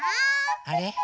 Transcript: あれ？